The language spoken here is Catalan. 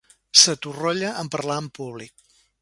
S'atorrolla en parlar en públic.